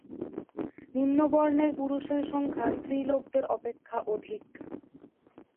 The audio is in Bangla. নিম্নবর্ণের পুরুষের সংখ্যা স্ত্রীলোকদের অপেক্ষা অধিক।